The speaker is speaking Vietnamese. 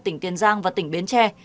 tỉnh tiền giang và tỉnh biến tre